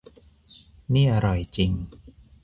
นี่อร่อยจริง